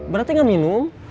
berarti gak minum